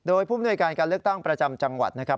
โดยผู้มนวยการการเลือกตั้งประจำจังหวัดนะครับ